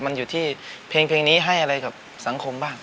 มันอยู่ที่เพลงนี้ให้อะไรกับสังคมบ้าง